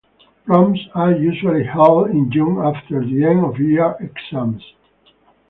Proms are usually held in June, after the end of year exams.